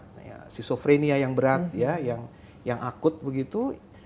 schizophrenia yang berat yang akut begitu